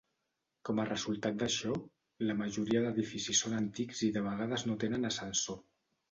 Com a resultat d'això, la majoria d'edificis són antics i de vegades no tenen ascensor.